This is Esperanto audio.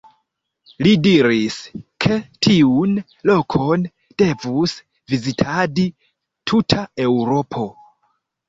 Li diris, ke tiun lokon devus vizitadi tuta Eŭropo.